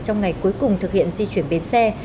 trong ngày cuối cùng thực hiện di chuyển bến xe